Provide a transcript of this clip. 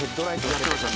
やってました。